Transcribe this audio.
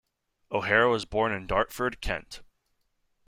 O'Hara was born in Dartford, Kent.